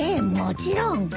もちろん。